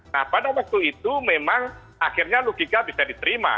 nah pada waktu itu memang akhirnya logika bisa diterima